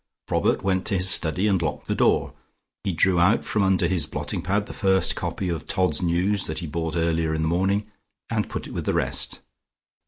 Robert went to his study, and locked the door. He drew out from under his blotting pad the first copy of "Todd's News" that he bought earlier in the morning, and put it with the rest.